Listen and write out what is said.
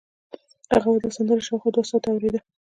هغه به دا سندره شاوخوا دوه ساعته اورېده